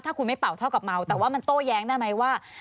ถ้าคุณไม่เป่าเท่ากับเมาแต่ว่ามันโต้แย้งได้ไหมว่า